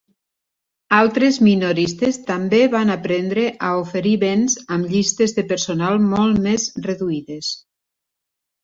Altres minoristes també van aprendre a oferir béns amb llistes de personal molt més reduïdes.